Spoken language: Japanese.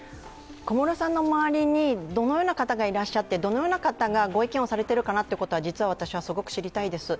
小室さんの周りにどのような方がいらっしゃってどのような方が御意見をされているかなということは実はすごく知りたいです。